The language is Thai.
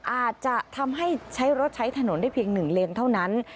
อาจจะทำให้ใช้รถใช้ถนนได้เพียง๑เลนเท่านั้น